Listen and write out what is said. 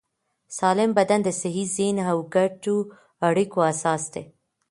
سالم بدن د صحي ذهن او ګډو اړیکو اساس دی.